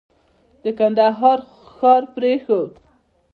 د کندهار ښار پرېښود.